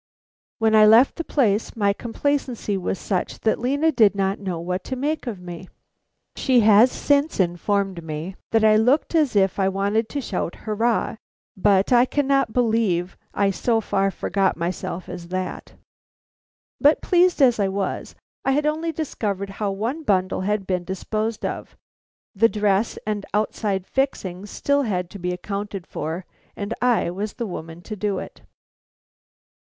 When I left the place my complacency was such that Lena did not know what to make of me. She has since informed me that I looked as if I wanted to shout Hurrah! but I cannot believe I so far forgot myself as that. But pleased as I was, I had only discovered how one bundle had been disposed of. The dress and outside fixings still had to be accounted for, and I was the woman to do it.